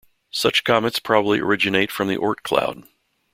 Such comets probably originate from the Oort cloud.